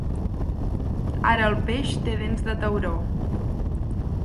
Ara el peix té dents de tauró.